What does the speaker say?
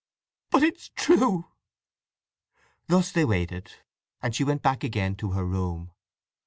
"But it's true!" Thus they waited, and she went back again to her room.